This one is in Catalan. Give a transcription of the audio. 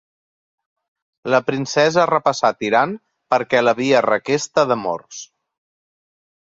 La princesa repassà Tirant perquè l'havia requesta d'amors.